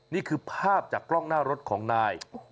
นี่คือภาพจากกล้องหน้ารถของนาย